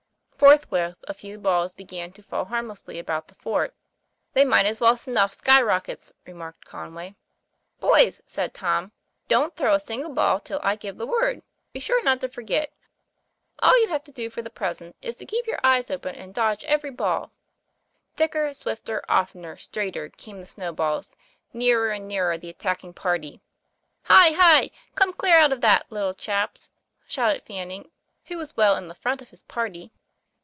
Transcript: Forthwith, a few balls began to fall harmlessly about the fort. "They might as well send off sky rockets," re marked Conway. "Boys," said Tom, "don't throw a single ball till I give the word. Be sure not to forget. All you have to do for the present is to keep your eyes open and dodge every ball." Thicker, swifter, oftener, straighter, came the snowballs; nearer and nearer the attacking party. "Hi! hi! Come, clear out of that, little chaps!" shouted Fanning, who was well in the front of his party.